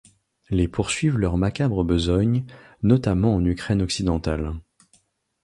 Les poursuivent leur macabre besogne, notamment en Ukraine occidentale.